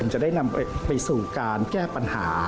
จะได้นำไปสู่การแก้ปัญหา